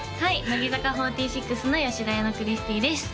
乃木坂４６の吉田綾乃クリスティーです